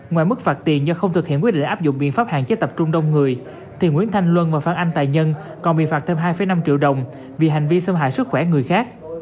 ngoài mức phạt tiền do không thực hiện quyết định áp dụng biện pháp hạn chế tập trung đông người thì nguyễn thanh luân và phan anh tài nhân còn bị phạt thêm hai năm triệu đồng vì hành vi xâm hại sức khỏe người khác